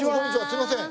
すいません。